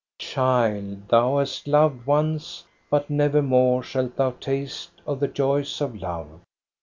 ^' Child, thou hast loved once, but nevermore Shalt thou taste of the joys of love